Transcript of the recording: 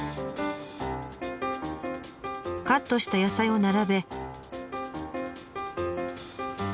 カットした野菜を並べ。